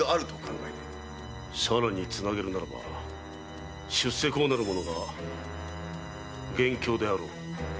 さらにつなげるならば出世講なるものが元凶であろう。